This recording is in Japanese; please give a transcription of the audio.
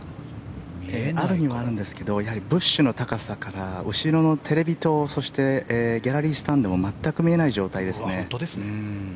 あるにはあるんですけどブッシュの高さから後ろのテレビ塔そしてギャラリースタンドも全く見えない状況ですね。